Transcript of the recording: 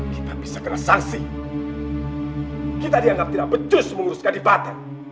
kita zug blessing tidak cot